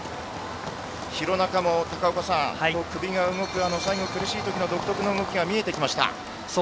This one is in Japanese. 廣中も首が動く最後苦しいときの独特の動きが見えています。